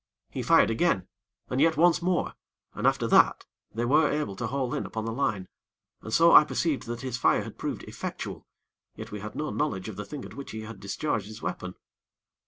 He fired again, and yet once more, and after that they were able to haul in upon the line, and so I perceived that his fire had proved effectual; yet we had no knowledge of the thing at which he had discharged his weapon.